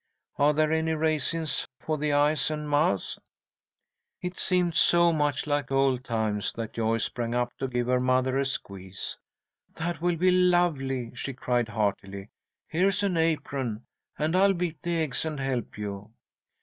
Are there any raisins for the eyes and mouths?" It seemed so much like old times that Joyce sprang up to give her mother a squeeze. "That will be lovely!" she cried, heartily. "Here's an apron, and I'll beat the eggs and help you."